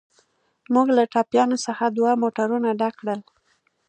موږ له ټپیانو څخه دوه موټرونه ډک کړل.